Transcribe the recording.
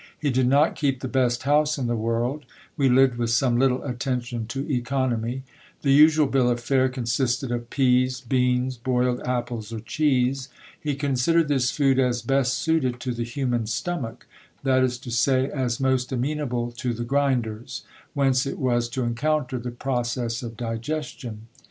He did not keep the best house in the world : we lived with some little attention to economy. The usual bill of fare consisted of peas, beans, boiled apples or cheese. He considered this food as best suited to the human stomach, that is to say, as most amenable to the grinders, whence it was to encounter the pro cess of digestion.